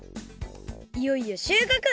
いよいよ収穫！